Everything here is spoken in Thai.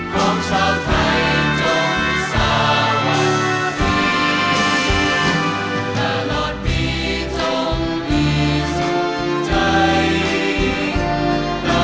ขอบความจากฝ่าให้บรรดาดวงคันสุขสิทธิ์